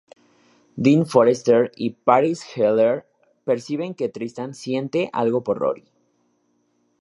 Dean Forester y Paris Geller perciben que Tristán siente algo por Rory.